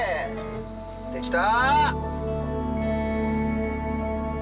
できた！